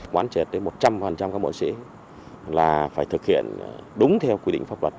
quán triệt đến một trăm linh các bộ sĩ là phải thực hiện đúng theo quy định pháp luật